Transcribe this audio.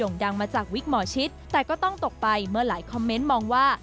่งดังมาจากวิกหมอชิดแต่ก็ต้องตกไปเมื่อหลายคอมเมนต์มองว่า